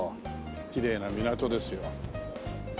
きれいな港ですよ。